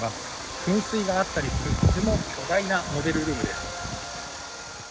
噴水があったりするとても巨大なモデルルームです。